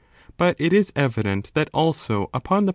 But it is evident that also upon the